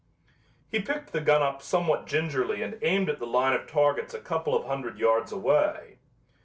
He picked the gun up somewhat gingerly and aimed at the line of targets a couple of hundred yards away.